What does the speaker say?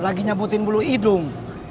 lagi nyebutin bulu hidung